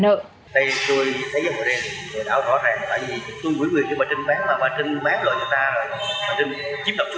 tôi hủy quyền cho bà trinh bán bà trinh bán lợi cho ta bà trinh chiếm đọc chủ tiệm của tôi